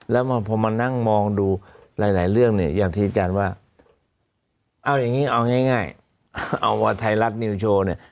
แล้วพอมานั่งมองดูหลายเรื่องเนี่ยอย่างที่อาจารย์ว่าเอาอย่างนี้เอาง่ายเอาว่าไทยรัฐนิวโชว์เนี่ย